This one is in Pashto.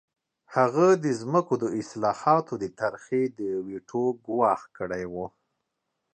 هغه د ځمکو د اصلاحاتو د طرحې د ویټو ګواښ کړی و